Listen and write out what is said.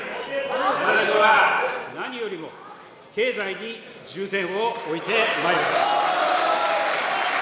私は何よりも経済に重点を置いてまいります。